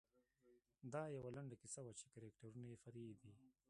دا یوه لنډه کیسه وه چې کرکټرونه یې فرعي دي.